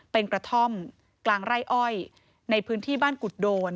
เป็นกระท่อมกลางไร่อ้อยในพื้นที่บ้านกุฎโดน